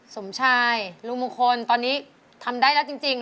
สมชายลุงมงคลตอนนี้ทำได้แล้วจริง